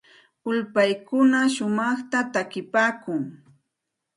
Ulpaykuna shumaqta takipaakun.